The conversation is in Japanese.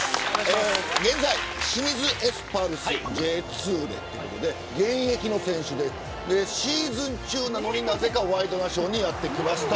現在、清水エスパルスＪ２で、ということで現役の選手で、シーズン中なのになぜかワイドナショーにやって来ました。